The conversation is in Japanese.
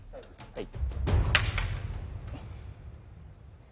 はい。